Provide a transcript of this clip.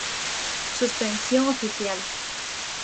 Suspensión oficial.